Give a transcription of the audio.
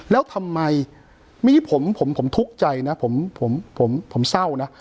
แล้วทำไมมีผมทุกข์ใจนะผมเศร้านะ